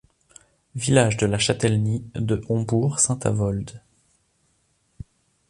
Village de la châtellenie de Hombourg-Saint-Avold.